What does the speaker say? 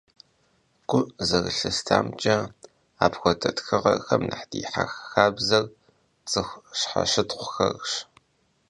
Гу зэрылъыстамкӀэ, апхуэдэ тхыгъэхэм нэхъ дихьэх хабзэр цӀыху щхьэщытхъухэрщ.